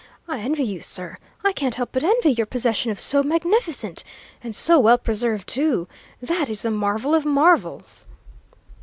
I envy you, sir; I can't help but envy your possession of so magnificent and so well preserved, too! That is the marvel of marvels!"